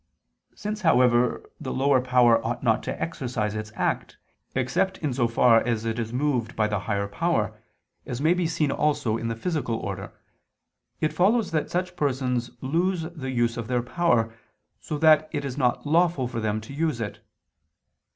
Since, however, the lower power ought not to exercise its act, except in so far as it is moved by the higher power, as may be seen also in the physical order, it follows that such persons lose the use of their power, so that it is not lawful for them to use it.